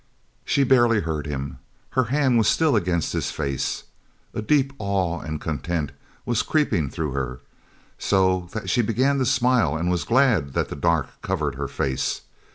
She barely heard him. Her hand was still against his face. A deep awe and content was creeping through her, so that she began to smile and was glad that the dark covered her face.